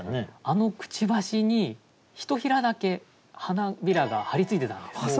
あのくちばしにひとひらだけ花びらが張り付いてたんです。